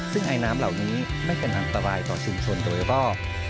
ซึ่งไอน้ำเหล่านี้ไม่เป็นอันตรายต่อชุมชนโดยรอบ